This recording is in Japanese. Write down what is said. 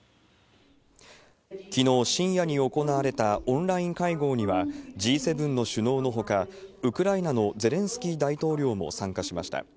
きのう深夜に行われたオンライン会合には、Ｇ７の首脳のほか、ウクライナのゼレンスキー大統領も参加しました。